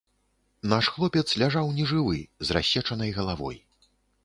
Наш хлопец ляжаў нежывы, з рассечанай галавой.